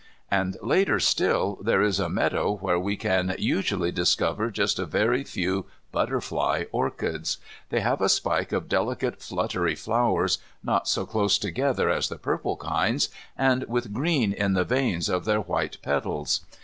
And later still there is a meadow where we can usually discover just a very few Butterfly orchids. They have a spike of delicate fluttery flowers, not so close together as the purple kinds, and with green in the veins of their white petals.